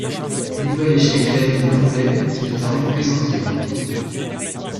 Nouvel échec d'Hanni Wenzel, qui ne termine que cinquième.